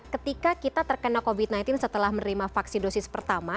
ketika kita terkena covid sembilan belas setelah menerima vaksin dosis pertama